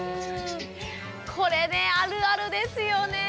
これねあるあるですよね。